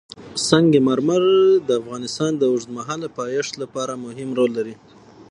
سنگ مرمر د افغانستان د اوږدمهاله پایښت لپاره مهم رول لري.